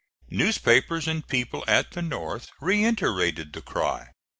Newspapers and people at the North reiterated the cry.